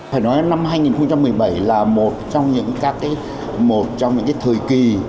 phải nói năm hai nghìn một mươi bảy là một trong những thời kỳ